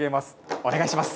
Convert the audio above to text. お願いします。